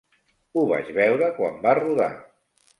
Ho vaig veure quan va rodar.